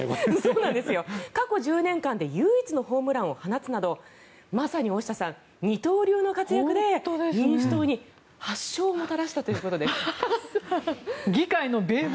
過去１０年間で唯一のホームランを放つなどまさに大下さん、二刀流の活躍で民主党に８勝をもたらしたということです。